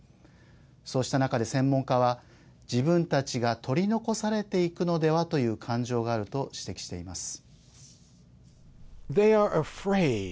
そうした中で専門家は自分たちが取り残されていくのではという感情があると指摘しています。